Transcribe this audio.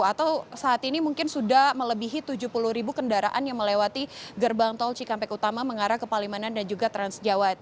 atau saat ini mungkin sudah melebihi tujuh puluh ribu kendaraan yang melewati gerbang tol cikampek utama mengarah ke palimanan dan juga transjawa